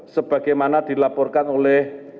sebagaimana dilaporkan oleh